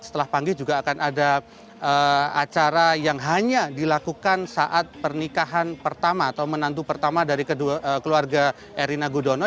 setelah panggil juga akan ada acara yang hanya dilakukan saat pernikahan pertama atau menantu pertama dari keluarga erina gudono